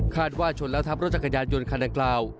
ว่าชนแล้วทับรถจักรยานยนต์คันดังกล่าว